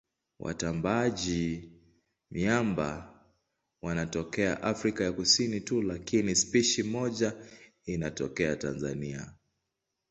Watambaaji-miamba wanatokea Afrika ya Kusini tu lakini spishi moja inatokea Tanzania.